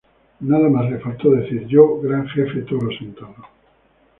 Nada más le faltó decir: ‘Yo, gran jefe Toro Sentado.